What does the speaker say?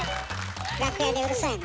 楽屋でうるさいの？